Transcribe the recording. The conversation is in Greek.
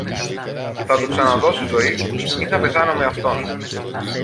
θα του ξαναδώσω ζωή ή θα πεθάνω με αυτόν.